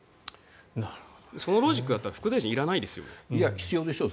そのロジックだったら副大臣、いらないでしょう。